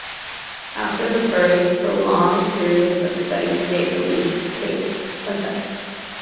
After the bursts, prolonged periods of steady-state release take effect.